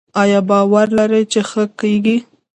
ایا باور لرئ چې ښه کیږئ؟